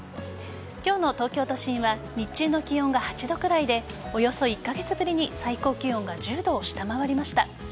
今日の東京都心は日中の気温が８度くらいでおよそ１カ月ぶりに最高気温が１０度を下回りました。